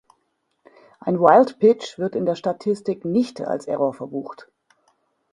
Ein Wild Pitch wird in der Statistik nicht als Error verbucht.